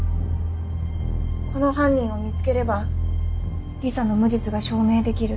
この犯人を見つければリサの無実が証明できる。